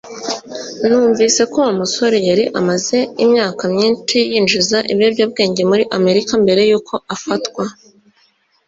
Numvise ko Wa musore yari amaze imyaka myinshi yinjiza ibiyobyabwenge muri Amerika mbere yuko afatwa